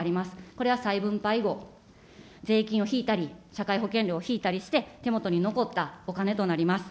これは再分配以後、税金を引いたり、社会保険料を引いたりして、手元に残ったお金となります。